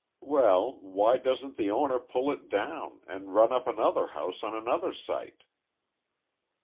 "Well, why doesn't the owner pull it down, and run up another house on another site?"